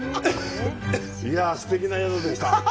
すてきな宿でした！